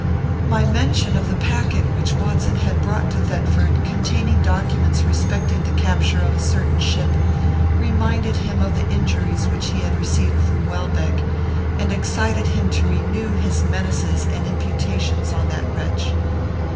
My mention of the packet which Watson had brought to Thetford, containing documents respecting the capture of a certain ship, reminded him of the injuries which he had received from Welbeck, and excited him to renew his menaces and imputations on that wretch.